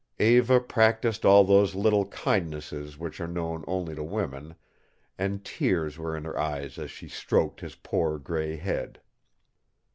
Eva practised all those little kindnesses which are known only to women, and tears were in her eyes as she stroked his poor gray head.